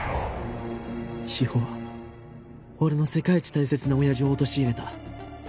志法は俺の世界一大切な親父を陥れた